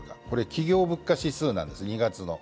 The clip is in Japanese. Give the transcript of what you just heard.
これ、２月の企業物価指数なんです。